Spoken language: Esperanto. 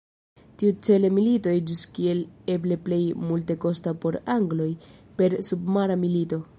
Tiucele milito iĝus kiel eble plej multekosta por angloj per submara milito.